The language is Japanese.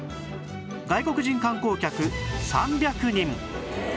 外国人観光客３００人